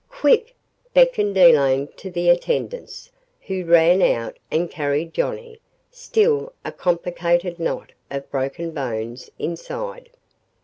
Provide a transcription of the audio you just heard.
"Quick!" beckoned Elaine to the attendants, who ran out and carried Johnnie, still a complicated knot of broken bones, inside.